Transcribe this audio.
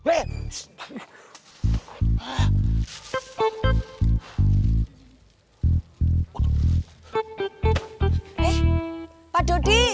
eh pak dodi